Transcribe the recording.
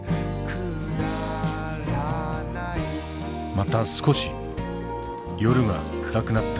また少し夜が暗くなった。